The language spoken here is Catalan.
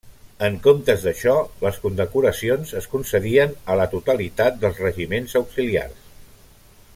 En comptes d'això, les condecoracions es concedien a la totalitat dels regiments auxiliars.